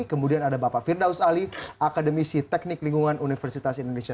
kemudian ada bapak firdaus ali akademisi teknik lingkungan universitas indonesia